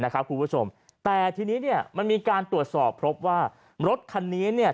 คุณผู้ชมแต่ทีนี้มันมีการตรวจสอบพบว่ารถคันนี้